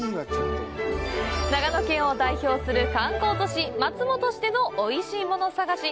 長野県を代表する観光都市松本市でのおいしいもの探し。